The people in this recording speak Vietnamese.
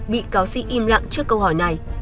bị cáo sĩ im lặng trước câu hỏi này